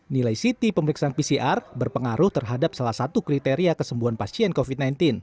nilai ct pemeriksaan pcr berpengaruh terhadap salah satu kriteria kesembuhan pasien covid sembilan belas